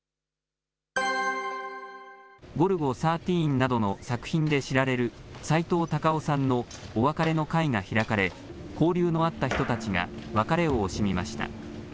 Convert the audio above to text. ゴルゴ１３などの作品で知られるさいとう・たかをさんのお別れの会が開かれ交流のあった人たちが別れを惜しみました。